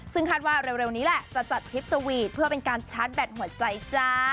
ซึ่งคาดว่าเร็วนี้แหละจะจัดทริปสวีทเพื่อเป็นการชาร์จแบตหัวใจจ้า